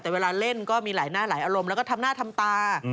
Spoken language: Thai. แต่เวลาเล่นก็มีหลายหน้าหลายอารมณ์แล้วก็ทำหน้าทำตา